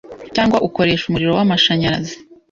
cyangwa ukoresha umuriro w’amashanyarazi